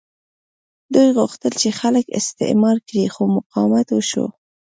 دوی غوښتل چې خلک استثمار کړي خو مقاومت وشو.